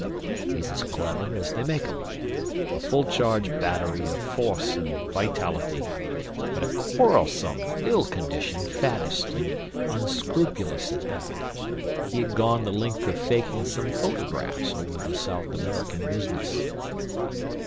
He's as clever as they make 'em a full charged battery of force and vitality, but a quarrelsome, ill conditioned faddist, and unscrupulous at that. He had gone the length of faking some photographs over the South American business."